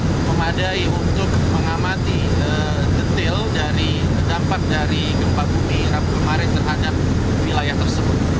jadi kami memadai untuk mengamati detail dari dampak dari gempa bumi rabu kemarin terhadap wilayah tersebut